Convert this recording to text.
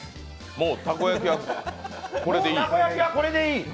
もう、たこ焼きはこれでいい？